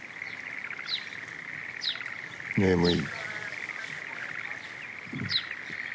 眠い。